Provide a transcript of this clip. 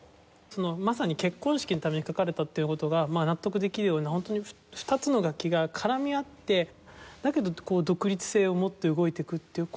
まさに結婚式のために書かれたっていう事が納得できるようなホントに２つの楽器が絡み合ってだけど独立性を持って動いていくっていう。